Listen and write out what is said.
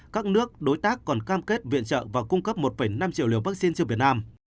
các nước đối tác còn cam kết viện trợ và cung cấp một năm triệu liều vaccine cho việt nam